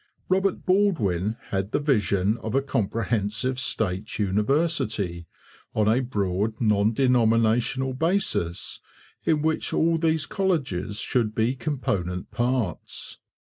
Robert Baldwin had the vision of a comprehensive state university, on a broad non denominational basis, in which all these colleges should be component parts.